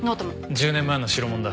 １０年前の代物だ。